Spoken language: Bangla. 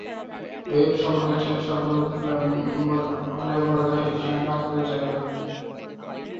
ওয়েভ সম্পর্কে একটা শব্দে বলতে হলে বলা যায়, একসঙ্গে কাজ করার জায়গা।